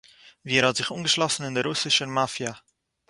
וואו ער האט זיך אנגעשלאסן אין דער רוסישער מאפיא